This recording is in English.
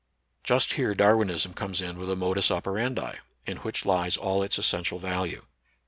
Just here Darwinism comes in with a modus operandi, in which lies all its essential value.